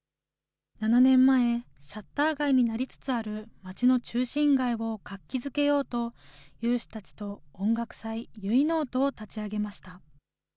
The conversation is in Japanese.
７年前、シャッター街になりつつある街の中心街を活気づけようと、有志たちと音楽祭、結いのおとを立ち上げました。